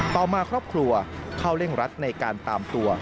ต่อมาครอบครัวเข้าเร่งรัดในการตามตัว